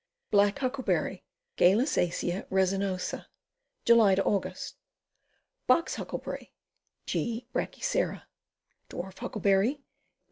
Black Huckleberry. Gayhissacia resinosa. Jidy Aug. Box Huckleberry. G. brachycera. ' Dwarf Huckleberry.